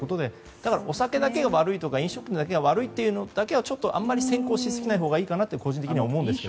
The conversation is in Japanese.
だからお酒だけが悪い飲食店だけが悪いというのはあまり先行しすぎないほうがいいかなと個人的に思うんですね。